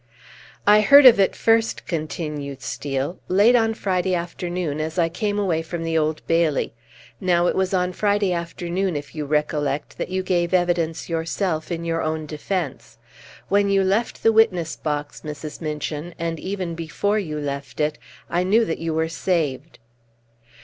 "I heard of it first," continued Steel, "late on Friday afternoon, as I came away from the Old Bailey. Now, it was on Friday afternoon, if you recollect, that you gave evidence yourself in your own defence. When you left the witness box, Mrs. Minchin, and even before you left it, I knew that you were saved!"